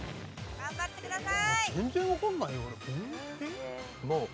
頑張ってください。